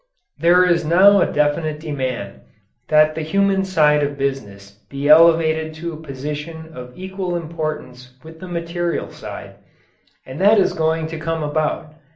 There is now a definite demand that the human side of business be elevated to a position of equal importance with the material side. And that is going to come about.